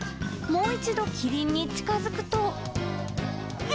もう一度キリンに近づくと。